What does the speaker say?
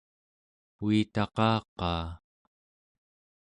uitaqaqaa!